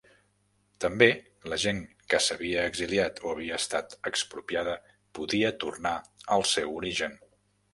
També, la gent que s'havia exiliat o havia estat expropiada, podia tornar al seu origen.